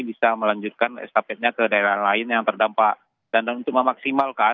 bisa melanjutkan estafetnya ke daerah lain yang terdampak dan untuk memaksimalkan